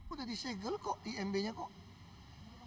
udah di segel kok imb nya kok